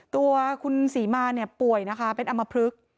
ตัวคุณศรีมาเนี่ยป่วยนะคะเป็นอัมเมบฤกษ์